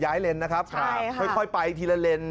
ย้ายเลนส์นะครับค่อยไปอีกทีละเลนส์